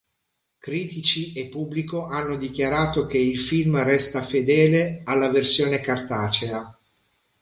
Critici e pubblico hanno dichiarato che il film resta fedele alla versione cartacea.